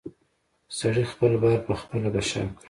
سړي خپل بار پخپله په شا کړ.